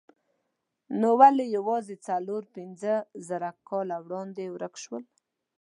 نو ولې یوازې څلور پنځه زره کاله وړاندې ورک شول؟